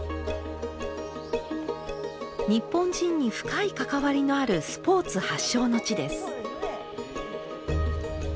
日本人に深い関わりのあるスポーツ発祥の地です。